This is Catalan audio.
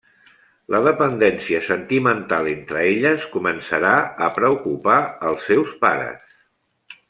La dependència sentimental entre elles començarà a preocupar els seus pares.